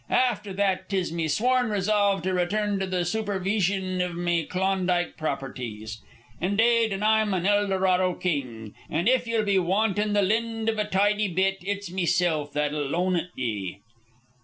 Afther that 'tis me sworn resolve to return to the superveeshion iv me Klondike properties. Indade, and I'm an Eldorado king; an' if ye'll be wantin' the lind iv a tidy bit, it's meself that'll loan it ye."